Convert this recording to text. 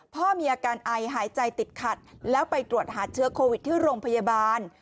พ่อมีอาการไอหายใจติดขัดแล้วไปตรวจหาเชื้อโควิดที่โรงพยาบาล